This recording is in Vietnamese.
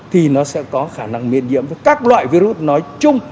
thì nó sẽ có khả năng miễn nhiễm với các loại virus nói chung